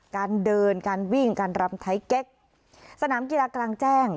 การเดินการวิ่งการรำไทยเก๊กสนามกีฬากลางแจ้ง